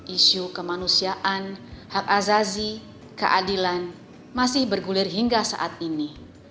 isu kemanusiaan hak azazi keadilan masih bergulir hingga saat ini